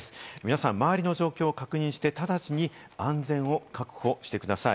皆さん、周りの状況を確認して、直ちに身の安全を確保してください。